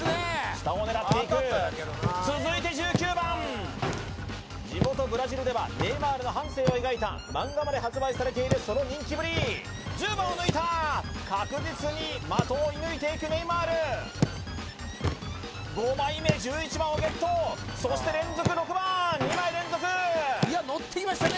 下を狙っていく続いて１９番地元ブラジルではネイマールの半生を描いたマンガまで発売されているその人気ぶり１０番を抜いた確実に的を射ぬいていくネイマール５枚目１１番をゲットそして連続６番２枚連続いやのってきましたね